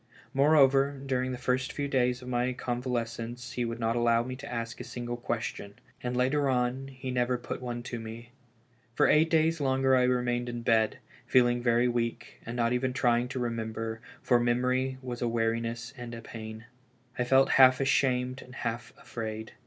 Moreover, during the first few days of my convalescence he would not allow me to ask a single question ; and later on, he never put one to me. For eight days longer I remained in bed, feeling very weak, and not even trying to remember, for memory was a weariness and a pain. I felt half ashamed and half afraid.